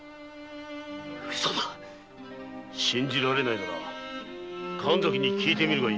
嘘だ信じられないなら神崎に聞いてみるがいい。